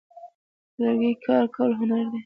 په لرګي کار کول هنر دی.